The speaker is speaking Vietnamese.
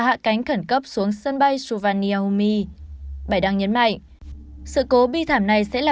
hạ cánh khẩn cấp xuống sân bay sulvaniahomi bài đăng nhấn mạnh sự cố bi thảm này sẽ là